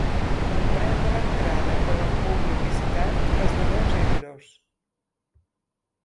El preu de l’entrada per al públic visitant és de dos euros.